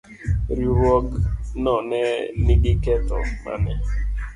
Riwruog no ne nigi ketho mane?